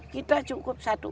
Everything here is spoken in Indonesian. kita cukup satu